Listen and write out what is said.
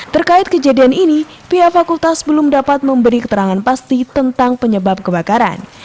terkait kejadian ini pihak fakultas belum dapat memberi keterangan pasti tentang penyebab kebakaran